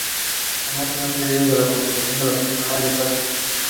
The specific epithet refers to the plant being first described from the Himalayas.